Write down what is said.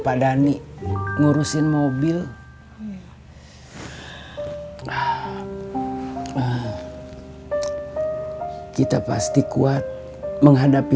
kayaknyanya udah sama stupid nih apaan